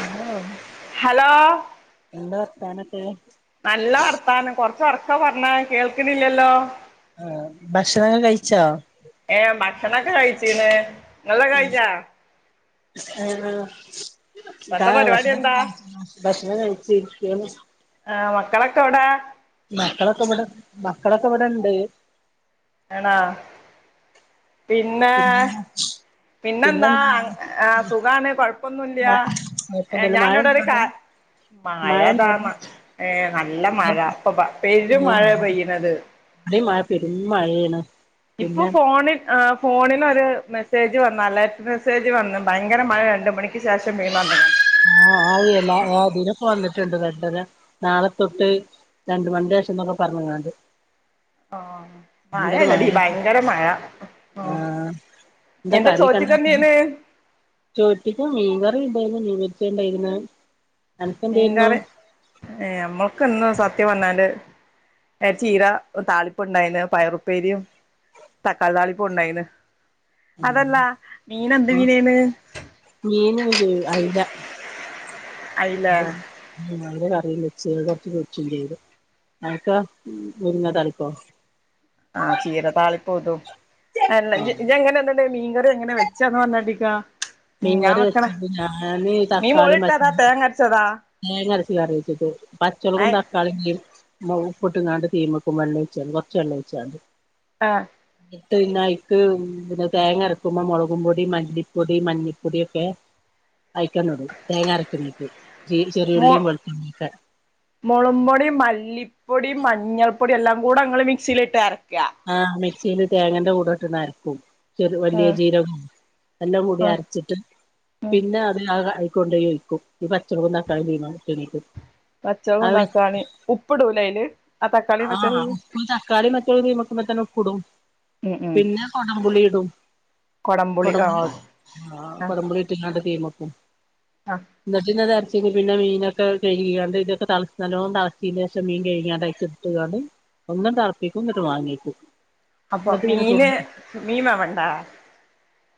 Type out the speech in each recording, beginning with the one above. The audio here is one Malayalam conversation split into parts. അല്ലോ ഹലോ നല്ല വർത്താനം കൊർ ച്ചൊർക്കപർണാ കേൾക്ക്ണില്യല്ലോ ആഹ് ഭക്ഷണക്കെ കയിച്ചോ ഏം ഭക്ഷണക്കെ കഴ്ച്ചീന് ങ്ങൾതകെ കഴിഞാ ആഹ് കാ എന്താ പരിപാടി ഭക്ഷണൊക്കെ എന്താ കഴചിനോ ഭക്ഷണം കഴിച്ചിര്ക്കേന്നു ആഹ് മക്കളക്കവ്ടെ മക്കളൊക്കെബ്ട മക്കളക്കെബടണ്ട് ഏണാ പിന്നേ പിന്നെന്താ പിന്നെന്താ അൺ ആഹ് സുഖാണ് കൊഴപ്പൊന്നുല്ല്യാ മഴ എഹ് കൊഴപ്പൊന്നുല്ല ഞാൻ മഴണ്ടോ അന്നോടൊരു കാ അവിടെ മഴണ്ടോ മഴേതാമ ഏഹ് നല്ല മഴ ഇപപ്പ പെരും മഴേ പെയ്യ്ണത് ടിം മഴ പെരും മഴേണ് ഇപ്പൊ ഫോണ് ആഹ് ഫോണിലൊര് മെസ്സേജ് വന്നാലേ വെസ്സേജ് വന്ന് ഭയങ്കര മഴണ്ട് പ്ടക്കെ ശേഷം മീ നന്നാ ആഹ് ആയെല്ലാതിലും വന്ന്ണ്ട് മെസ്സേല നാളെ തൊട്ട് രണ്ട് മൺൻ്റെഷംന്നൊക്കെ പറഞ്ഞ് ങ്ങാണ്ട് ആഹ് മഴേണെടി മഴയാണ് ഭയങ്കര മഴആഹ് ആഹ് എന്താ ചോറ്റ്ക്കെന്തേന് ചോറ്റ്ക്ക് മീൻകറിണ്ടേയ്ന് മീന് റ്റ്ണ്ടയ്ര്ന്ന് മീൻകറി ഏഹ്നമ്മക്ക്ന്ന് സത്യംപർഞ്ഞാല് എഹ് ചീര താളിപ്പുണ്ടയ്ന്ന് പയറുപ്പേരിയും തക്കാളി താളിപുണ്ടേയ്ന്, അതല്ല മീന് എന്ത്മീനേയ്ന്. മീന്ല്ലേ അയ്ല. അയിലെ ഐ ഉംഅയ്ല കറിം വെച്ച് കൊർച്ച് പൊര്ച്ചും ചെയ്ത്, അൻക്കൊ മുരിങ്ങാതാളിപ്പോ? ആഹ് ചീര താളിപ്പൂംതും അല്ല ഇജ്ഇജജ്ങ്ങനെ ഇത് മീൻകറിങ്ങനെ വെച്ച്ന്ന് പർഞ്ഞാട്ടിക്കാ മീൻ വറി വെച്ചത് ഞാന് തക്കാളി മ ശെടാ. തേങ്ങ അരച്ച് കറിവെച്ചിട്ടേര്ന്, പച്ചൊളകും ഏഹ് തക്കാളിം ഏ മുംപ്പ്ട്ട്കാണ്ട് തീമക്കും വെള്ളൊഴ്ച്ചാണ്ട് കൊർച്ച് വെള്ളൊഴ്ച്ചാണ്ട്. ആഹ്. ട്ന്നെ അയ്ക്ക് പിന്നെ തേങ്ങ അര്ക്കുമ്പോ മുളകും പൊടിംമ ല്ലിപ്പൊടിംമഞ്ഞപ്പൊടൊക്കെ. അയ്കണ്ട്ടും തേങ്ങര്ക്ക്ണീക് ചിചെറുള്ളിം വെൾതുളളിഒക്കെ. മൊളുംപൊടിംമല്ലിപ്പൊടിം മഞ്ഞൾപ്പൊടിം എല്ലാം കൂടെ ങ്ങള്മിക്സീല്ട്ട് അര്ക്ക. ആഹ് മിക്സീലിട്ട് തേങ്ങന്റെ കൂടട്ടാ ണ്ടര്ക്കും. ചെർ വല്യ ആഹ് ജീരകും എല്ലാം കൂടി ആഹ് അര്ച്ച്ട്ട്. ഉം പിന്നെ അത് ആ ആയാകൊണ്ടേഒഴ്ക്കും ഈ പച്ചമൊളകുംതക്കാളിംതീമച്ചതീക്. പച്ചൊളകുംതക്കാളിം ഉപ്പ്ടൂലെയ്ല്? ആഹ് പ്പ്തക്കളിം പച്ചൊളും തീമക്കുമ്പത്തന്നെ ഇപ്പ്ടും. ഉം ഉം പിന്നെ കൊടംപുളി ഇടും. കൊടംപുളി ആഹ് ഒ ആഹ് കൊടംപുളിട്ട്കാണ്ട് തീമക്കും. ആഹ്. എന്ന്ട്ട്ന്തരച്ച് പിന്നെ മീനൊക്കെ കഴുകികാണ്ട് തൊക്കെ തൾ നല്ലോം തൾച്ചീൻ്റേഷം മീൻ കഴ്കാണ്ട് അയ്ക് ട്ട്കാണ്ട് ഒന്നണ്ട് തൾപ്പിക്കുംന്ന്ട്ട് വാങ്ങെക്കും. അപ്പൊ മീന് മീൻ വേവണ്ടെ.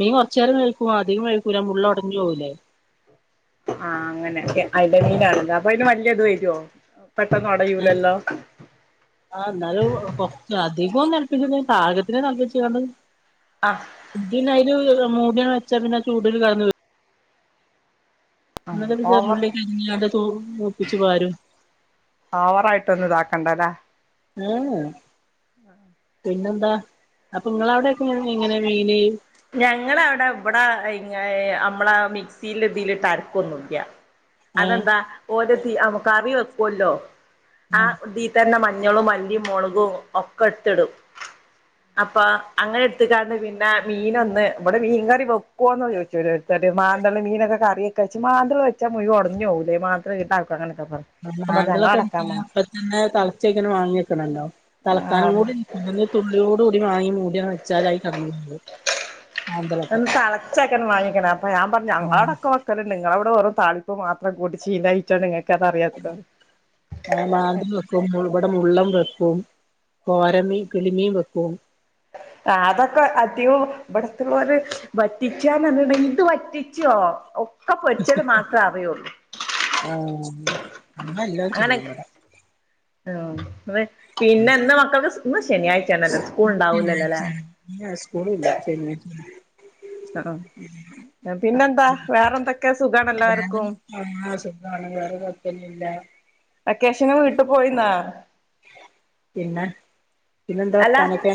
മീൻ കുറച്ച നേരംേഴിക്കൂ അധികം കഴുകൂല മുള്ള് ഉടഞ്ഞു പോകലേ ആഹ് അങ്ങനെെ അയില മീനാണല്ലോ അപ്പൊ അതിന് വല്ിയ ഇത് വരുവോ പെട്ടന്ന് അടയൂലല്ലോ ആ എന്നാലും കൊറച്ച അധികവും തിളപ്പിച്ച പാകത്തിന് തിളപ്പിച്ചാണ്ട് അഹ് പു അതില് മൂടീണ് വെച്ചാ പിന്നെ ചൂടൽ കടന്നുവേവും ആഹ് ഇന്നട് ഒരു ചെറിയ ഓവർ ഉള്ളി ഒക്കെ അറിഞ്ഞാണ്ട് മൂപ്പിച്ചു പാരും ഓവറായിട്ടൊന്നും ഇതാക്കണ്ടല്ലേ ആഏ പിന്നെന്താ അപ്പൊ നിങ്ങള അവിടെക്കെ എങ്ങനെ മീയിന ഞങ്ങ അവിടെ ഇവിടെ ഇ നമ്മളെ മിക്സിൽ ഇതിലിട്ട് അരക്കൊന്നുല്ല ഏഹ് അതെന്താ ഓര നമുക്ക് കറി വെക്കല്ലോ ആ ഇതി തന്നെ മഞ്ഞളും മല്ലയും മുളകും ഒക്കെടുത്തിടും അപ്പൊ അങ്ങനെ എടുത്തക്കാന്ന് പിന്നെ മീന ഒന്ന് ഇവിടെ മീൻ കറി വെക്കുവന്ന് ചോദിച്ചു എടുത്ത് മാന്തള് മീനൊക്കെ കറി കച്ചി മാന്തള് വെച്ചാ മുഴുവൻ ഉടഞ്ഞുോൂലേ മാത്രം ഇട്ടക്ക കനക്ക മാന്തൾ ഒക്കെ ഉ അപ്പ തന്നെ തിളച്ചക്കെന്നെ വാങ്ങിക്കണല്ലോ തിളക്കാനും കൂടി അന്ന് തുള്ളിയോടു കൂടി വാങ്ങി മൂടിയാണ് വെച്ചാലായി കടിുന്നത് ഒന്ന്തിളച്ചക്കൻ വാങ്ങിക്കണ അപ്പൊ ഞാൻ പറഞ്ഞു ഞങ്ങളോടൊക്കെ നിങ്ങളവിടെ വെറും താളിപ്പ് മാത്രം കൂടി ഷീലായിട്ടാണ് ആായിട്ടാണ് നിങ്ങക്ക് അത അറിയാത്തത് ആഹ് മാന്തള് വെക്കും. ഇവിടെ മുള്ളം വെക്കും കോരമീ കിളിമീം വെക്കും അതൊക്കെ അധികോം ഇവിടത്ത്ള്ളോര് വറ്റിച്ചാനർഞ്ഞ്‌ണ്ടെങ്കി ഇത് വറ്റി ച്ചോ ഒക്കെ പൊര്ച്ചത് മാത്രം അറിയുള്ളൂ ആഹ് അങ്ങള് എല്ലാരും ചെയ്യും വടെ ആഹ് അതെ പിന്നെ ഇന്ന് മക്കൾക്ക് സ് ഇന്ന് ശനിയാഴ്ചയാണല്ലോ സ്കൂൾ ഉണ്ടാവൂലല്ലേലെ ആഹ് സ്കൂള് ഇല്ല ശനിയ ആഹ് പിന്നെ എന്താ വേറെന്തൊക്കെ സുഖാണോ വേഗം എല്ലാർക്കും ആഹ് സുഖാണ് വേറെ കൊയ്പ്പൊന്നും ഇല്ല വെക്കേഷന് വീട്ടു പോയിന്നാ പിന്നെ പിന്നെന്താ വർത്താനൊക്കെ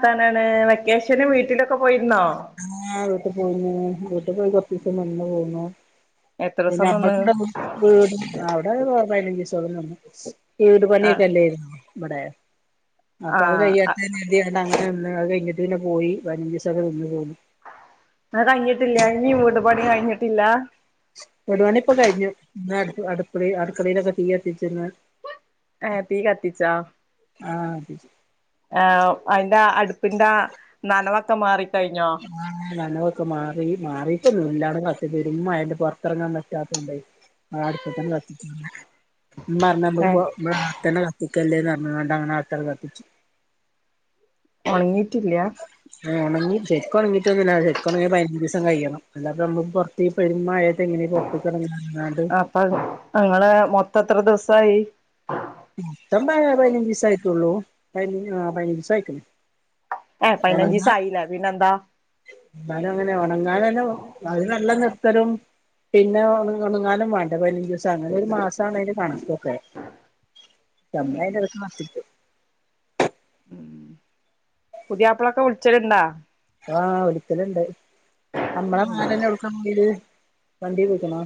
ത്താനാണ് വെക്കേഷന് വീട്ടിലൊക്കെ പോയ്രുന്നോ? ആഹ് വീട്ട് പോയ്ന്നു. വീട്ട് പോയി കൊർച്ചീസം നിന്നു പോന്നു എത്ര ദിവസം പിന്നെ നിന്ന് വീട് അവിടെ ഒരു പയ്നഞ്ചീസോളം നിന്ന് വീടു പണി ആഹ് ഒക്കെ അല്ലായ്രുന്നോ ഇവടെ. അപ്പോ അത് ആഹ് കഴിയട്ടെ എന്ന് കരുതി [unintelligible] അത് കഴിഞ്ഞിട്ട് പിന്നെ പോയി പയ്നഞ്ചീസക്കെ നിന്നു പോന്നു അത് കഴ്ഞ്ഞിട്ടില്ല. ഇനിം വീടുപണി കഴിഞ്ഞിട്ടില്ലാ വീടുപണി ഇപ്പൊ കഴിഞ്ഞു. ന്ന് അടുക്കള അടുക്കളേലൊക്കെ തീ കത്തിച്ച് ന്ന് ഏഹ് തീ കത്തിച്ചാ ആഹ് ആഹ് അയ്ന്റെ അടുപ്പിന്റെ നനവൊക്കെ മാറി ക്കഴിഞ്ഞോ? ആഹ് നനവൊക്കെ മാറി. മാറിട്ടൊന്നും ഇല്ല. [unintelligible] പെരും മഴല്ലേ പൊർത്തെർങ്ങാൻ പറ്റാത്തോണ്ടേ ആഹ് അടുപ്പത്താണ്ട് കത്തിച്ചു. ഇമ്മ ർഞ്ഞ ഏഹ് നമ്മക്ക് പ്പൊ ആത്തെ കത്തിക്കല്ലേന്നർഞ്ഞ്‌ക്കാണ്ട് അങ്ങനെ ആത്തടെ കത്തിച്ചു. ഒൺങ്ങിയിട്ടില്ല. ആഹ് ഒണങ്ങി ശര്ക്കു ഒണങ്ങിട്ടൊന്നുല്ല. ശരിക്കും ഒണങ്ങ പയ്നഞ്ചീസം കഴിയണം അല്ലാപ്പ നമ്മക്ക് പൊ ർത്തി ഈ പെരുമഴയത്തെങ്ങെനെ പൊർത്ത്ക്കെർങ്ങാ അപ്പ ങ്ങളെ മൊത്തം എത്ര ദിവസായി മൊത്തം പയ്നഞ്ചീസ ആയിട്ടുള്ളൂ. പയ്നഞ് പയ്നഞ്ചീസം ആയിട്ട്ള്ളൂ ഏഹ് പയ്നഞ്ചീസം ആയില്ലേ പിന്നെന്താ എന്നാലും അങ്ങനെ ഒണങ്ങാനെല്ലും [unintelligible] നല്ല നിർത്തലും പിന്നെ ഒണു ഒണുങ്ങാനും വാണ്ടേ പയ്നഞ്ചൂസം അങ്ങനെ ഒരു മാസാണ് അയ്ന്റെ കൺക്കൊക്കെ [unintelligible] ഉം പുതിയാപ്പ്ളൊക്കെ വിള്ച്ചല്ണ്ടാ? ആഹ് വിളിക്കല്ണ്ട്. അമ്മളെ മാലന്നെ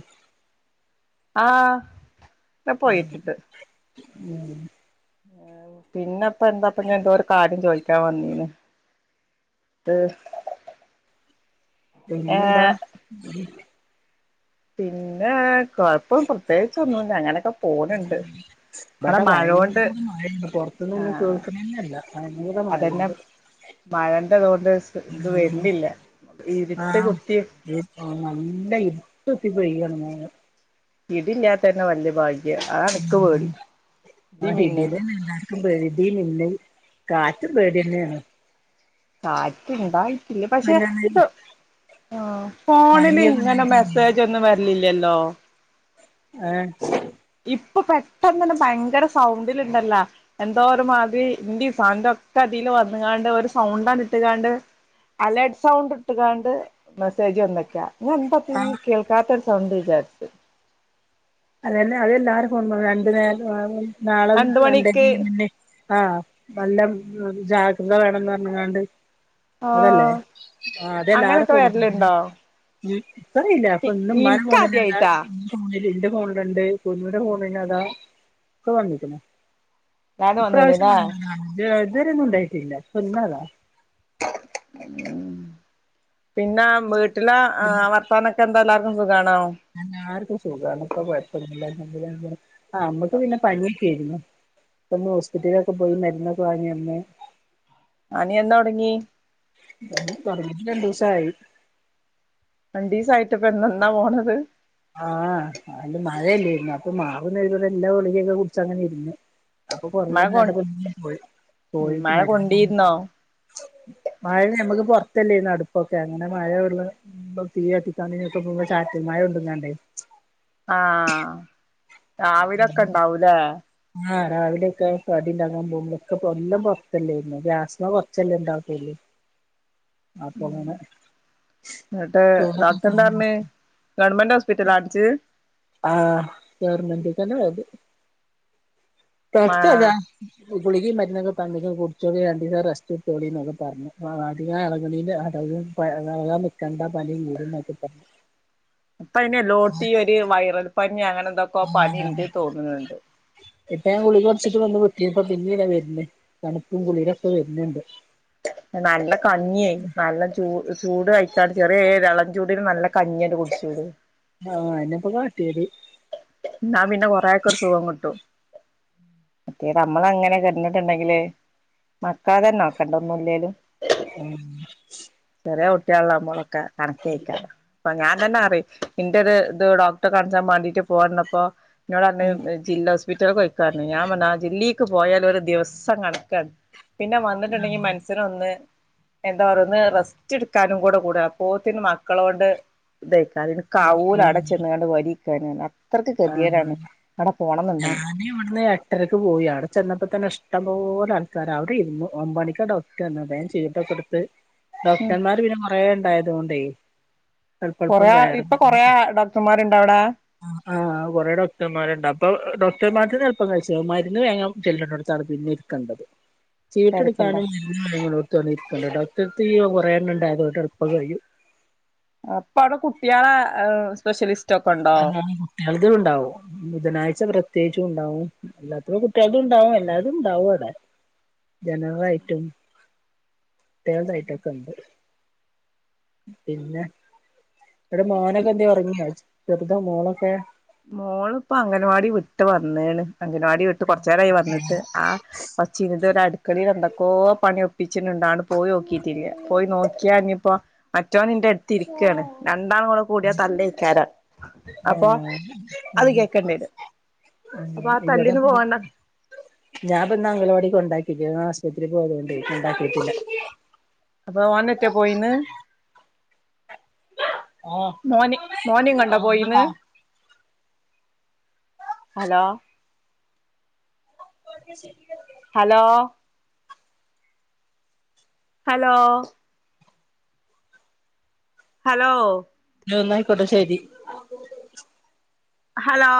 [unintelligible] ആഹ് [unintelligible] പോയിക്കിട്ട് ഉം പിന്നെപ്പ ന്താപ്പ ഞാ എന്തോരു കാര്യം ചോയിക്കാൻ വന്നീന് ത് പിന്നന്താ? പിന്നെ കൊഴപ്പം പ്രത്യേകിച്ചൊന്നുംല്ല. അങ്ങനെക്കെ പോണ്ണ്ട്. മ്മടെ മയോണ്ട് ഇത്ന്നന്നെ കേൾക്കണന്നെല്ല ഭയങ്കര അതന്നെ മയോണ്ട്. മഴന്റെതോണ്ട് ഇത് വെര്നില്ല ആഹ് ഇര്ട്ട് കുത്തി നല്ല ഇര്ട്ടുത്തി പെയ്യാണ്. ഇടില്ലാത്തന്നെ വല്യ ഭാഗ്യ ആ അൻക്ക് പേടി ഇടി മിന്നല് ഇൻക്കും ഇടി മിന്നൽ കാറ്റും പേടിയന്നെയാണ് കാറ്റ്ണ്ടായി ല്ല പക്ഷെ ആഹ് ഫോൺല് പനിയൊക്കെ ഇങ്ങനെ ഉണ്ടായിട്ടേ മെസേജൊന്നും വെര് ലില്ലല്ലോ ഏഹ് ഇപ്പൊ പെട്ടെന്നണ് ഭയങ്കര സൗണ്ടിൽ ഇണ്ടല്ലോ എന്തോരുമാതിരി ഇന്റി ഫന്റോക്കെ ഇതിൽ വന്ന്ങ്ങാണ്ട് ഒരു സൗണ്ട് അണ്ട്ട്ട്കാണ്ട് അലേർട്ട് സൗണ്ട് ഇട്ടുകാണ്ട് മെസ്സേജ് വന്ന്ക്ക ഞാൻ എന്താപ്പ ഈ കേൾക്കാത്തൊരു സൗണ്ട് വിചാരിച്ചു. അതന്നെ അത് എല്ലാരെ ഫോണും രണ്ടു നേരം നാളെ രണ്ട് മണിക്ക് [unintelligible] ആഹ് നല്ല ജാഗ്രത വേണംന്നർഞ്ങ്ങാണ്ട് അതല്ലേ ആഹ് ആ അതെല്ലാരെ അങ്ങനൊക്കെ ഫോണുക്കും ഉം വരലുണ്ടോ ഇപ്പറിയില്ല അപ്പൊ ഇന്ന് ഇമ്മാന്റെ ഫോണില് ഇൻക്കാദ്യായിട്ടാ [unintelligible] ഫോണില് ന്റെ ഫോൺല്ണ്ട് കുഞ്ഞുന്റെ ഫോൺലതാ ഒക്കെ വന്നിക്ണ്. ഞാനും വന്ന്ണ് ഇപ്രാവശ്യം ല്ലേ വന്നതാണ് ഇതുവരെന്നുണ്ടായിട്ടില്ല ഇപ്പൊന്നതാ ഉം പിന്നെ വീട്ടിലെ ആഹ് വർ ത്താനൊക്കെന്താല്ലാവർക്കും സുഖണോ? എല്ലാർക്കും സുഖാണ് ഇപ്പ കൊഴപ്പന്നുല്ല അൽഹംദുലില്ലാഹ് ആ നമ്മക്ക് പിന്നെ പനിയൊക്കെയിരുന്നു. പ്പൊന്ന് ഹോസ്പിറ്റലിലൊക്കെ പോയി മരുന്നൊക്കെ വാങ്ങി വന്ന്. പനി എന്നൊടങ്ങി? പനി തുടങ്ങീട്ട് രണ്ടുസായി രണ്ടീസ ആയിട്ടൊക്കെ ഇന്ന് ന്നാ പോണത്. ആഹ് അല്ല മഴയല്ലേരുന്നോ അപ്പൊ മാറുന്ന് കരുതി ഇവിടെ ഇല്ല ഗുളികൊക്കെ കുടിച്ച് അങ്ങനെ ഇര്ന്ന് അപ്പൊ മഴ കൊറഞ്ഞിട്ടില്ല കൊ കണ്ടപ്പോ പിന്നെ പോയി പോയിട്ട് മഴ മരു കൊണ്ടീരുന്നോ [unintelligible] മഴ നമ്മക്ക് പൊറത്തല്ലേര്ന്നോ അടുപ്പൊക്കെ അങ്ങനെ മഴ കൊള്ള അപ്പം തീയത്തിക്കാന് ഇതിനൊക്കെ പോവുമ്പോ ചാറ്റൽ മഴ കൊണ്ട്ങ്ങാണ്ടേ ആഹ് രാവിലൊക്കെണ്ടാവൂലേ? ആഹ് രാവിലെക്കെ കടിണ്ടങ്ങാൻ പോവുപൊക്കെ എല്ലം പൊറത്തല്ലേന്ന് ഗ്യാസ്മ്മെ കൊറച്ചല്ലേ ഇണ്ടാകൊള്ളു അപ്പങ്ങനെ [unintelligible] ഗവൺമെൻറ് ഹോസ്പിറ്റൽലാ കാണിച്ചത് ആഹ് ഗവർമെന്റിത്തന്ന പോയത് മാ [unintelligible] ഗുളികിം മരുന്നൊക്കെ തന്ന് കുടിച്ചൊണ്ടി രണ്ടിസം റസ്റ്റ് ഇട്തോളിന്നൊക്കെ പർഞ് അധികം എളകിണെന്റെ അടവ് പ എളക നിക്കണ്ട പനി കുടും നോക്കെ പറഞ്ഞു ഇപ്പ അയ്ന് എലോട്തി ഒരു വൈറൽ പനി അങ്ങനെ എന്തൊക്കെ പനിണ്ട് തോന്നുണ് ണ്ട് ഇപ്പ ഞാൻ ഗുളിക കുടിച്ചിട്ട് ഒന്ന് വിട്ടിനി ഇപ്പം പിന്നീതാ വരുന് തണുപ്പും കുളിരൊക്കെ വെര്ന്ണ്ട്. നല്ല കഞ്ഞി നല്ല ചൂ ചൂട് കഴിക്കാണ്ട് ചെറിയ എളംചൂടിന് നല്ല കഞ്ഞട് കുടിച്ചൂട് ആഹ് അയ്നപ്പ കാട്ടിയത് എന്നാ പിന്നെ കൊറേക്ക ഒരു സുഖം കിട്ടും മറ്റേത് നമ്മളങ്ങനേ കെടന്നിട്ടെണ്ടെങ്കില് മക്കളതന്നെ നോക്കണ്ടേ ഒന്നുല്ലേലും ഉം ചെറ്യേ കുട്ടിയെളൊള്ളമ്മളൊക്കെ കണക്കയിക്കാരം ഇപ്പൊ ഞാൻ തന്നെ അറിയും ഇന്റെത് ഇത് ഡോക്ടറെ കാണിച്ചാ മാണ്ടിട്ട് പോവാൻ നിന്നപ്പോ ഇന്നോടറഞ്ഞ് ജില്ലാ ഹോസ്പിറ്റൽക്ക് പൊയ്ക്കോ അർഞ് ഞാൻ പറഞ്ഞ് ആ ജില്ലീക്ക് പോയാല് ഒരു ദിവസം കണക്കാണ് പിന്ന വന്ന്ട്ട്ണ്ടെങ്കി മനസ്സ്നൊന്ന് എന്താ പറയ ഒന്ന് റെസ് റ്റെസ്റ്റ് ടുക്കാനും കൂടെ കൂടെ പോത്തിന് മക്കളോട്. ഇതക്ക അതിന് കാവൂല ആഹ് അടച്ചെന്ന് ങ്ങാണ്ട് വരീക്കണ് അ അത്രക്ക് ആഹ് ഗതികേടാണ് അവിടെ പോണംന്നുണ്ടെങ്കി. ഇവിടുന്ന് എട്ടരയ്ക്ക് പോയി അവിടെ ചെന്നപ്പോ തന്നെ ഇഷ്ടം പോലെ ആൾക്കാര് അവിടെ ഇരുന്നു ഒമ്പണിക്കാ ഡോക് ക്കെന്നതേ വേഗം ചീട്ടെക്കെടുത്ത് ഉം ഡോക്ടർമാര് പിന്നെ കൊറേ എണ്ടായതുകൊണ്ടേ? കൊറേ ഇപ്പൊ കൊറേ ഡോക്ടർമാരുണ്ട അവിടെ? ആഹ് കൊറേ ഡോക്ടർമാരുണ്ട്. അപ്പൊ ഡോക്ടർമാർക്ക് എളുപ്പം കഴിച്ചാ മര്ന്ന് കഴിഞ്ഞാ ചെല്ലണ്ടോടുത്താണ് പിന്നെ ഇരിക്കണ്ടത്. [inaudible] തിരക്കുണ്ടോ ചീട്ടെടുക്കാനും [inaudible] ഡോക്ടർടത്ത് കുറേണ്ണണ്ടാകും അതോണ്ടെളുപ്പം കഴിയും അപ്പ അവിടെ കുട്ടികളാ ഏഹ് സ്പെഷ്യലിസ് അ ആഹ് കുട്ടികൾക്കും ഉണ്ടാവോ ബുധനാഴ്ച പ്രത്യേകിച്ചും ഉണ്ടാവുംം ഇല്ലാത്ത കുട്ടികൾക്കും ഉണ്ടാവും എല്ലാതും ഉണ്ടാവും അവിടെ ജനറലായിട്ടും കുട്ടികള്ടെ ഐറ്റോംഅക്കൊണ്ട് പിന്നെ വിടെ മോനൊക്കെ എന്ത്യേ ഒറങ്ങിയോ ചെറുതൊ മോളോക്കെ മോള് ഇപ്പ അംഗൻവാടി വിട്ട് വന്നേണ് അംഗൻവാടി വിട്ട് കൊറച്ചേരായി വന്നിട്ട്. ആ കൊച്ച് ഇതു വരേ അടുക്കണില്ല എന്തൊക്കോ പണി ഒപ്പിച്ചിട്ടുണ്ട് പോയി നോക്കിട്ടില്ല. പോയി നോക്കിയാഞ്ഞിപ്പോ. മറ്റവൻ ഇന്റെ അടുത്ത് ഇരിക്കാണ് രണ്ടാളുംകൂടികൂടിയാ തല്ലയിക്കാരം. അപ്പൊ [inaudible] അത് കേക്കേണ്ടിത് അപ്പൊ ആ തല്ലിനു പോവണ്ട. ഞാൻ പന്ന്അംഗലവാടി കൊണ്ടാക്കിട്ട് ഇല ആശ്പത്രില് പോയത് കൊണ്ട് കൊണ്ടാക്കിട്ടില്ല. അപ്പൊ ഓനാറ്റേ പോയിന്ന്. ആഹ് മോന് മോന് എങ്ങോട്ടാ പോയിന്ന്. ആഹ് ഹലോ? ഒക്കെ ശരിയെടോ ഹലോ? ഹലോ? ഹലോ? ഒന്നാ യിക്കോട്ടെ ശരി ഹലോ?